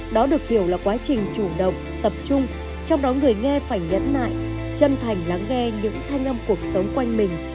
đó được hiểu là quá trình chủ động tập trung trong đó người nghe phải nhấn lại chân thành lắng nghe những thanh âm cuộc sống quanh mình